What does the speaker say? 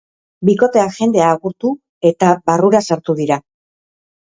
Bikoteak jendea agurtu du eta barrura sartu dira.